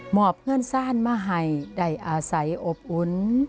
หมอบเงินสร้านมหัยได้อาศัยอบอุ้น